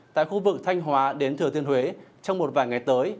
tại khu vực thanh hóa đến thừa thiên huế trong một vài ngày tới